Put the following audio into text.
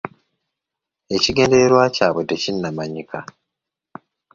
Ekigendererwa kyabwe tekinnamanyika.